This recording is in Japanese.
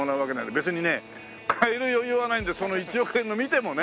別にね買える余裕はないんでその１億円の見てもね。